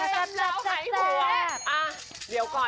หวานตำแล้วหายหัว